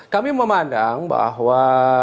kami memandang bahwa